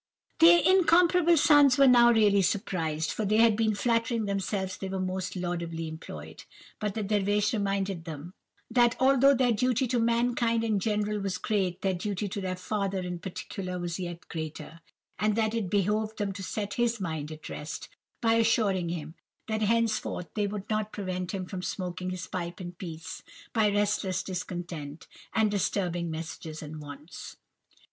"The incomparable sons were now really surprised, for they had been flattering themselves they were most laudably employed. But the Dervish reminded them, that, although their duty to mankind in general was great, their duty to their father in particular was yet greater, and that it behoved them to set his mind at rest, by assuring him, that henceforth they would not prevent him from smoking his pipe in peace, by restless discontent, and disturbing messages and wants.